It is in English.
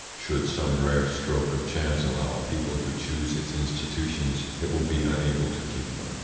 Should some rare stroke of chance allow a people to choose its institutions, it will be unable to keep them.